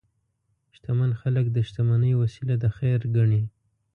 شتمن خلک د شتمنۍ وسیله د خیر ګڼي.